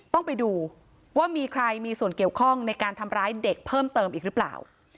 ต้องไปดูว่ามีใครมีส่วนเกี่ยวข้องในการทำร้ายเด็กเพิ่มเติมอีกหรือเปล่า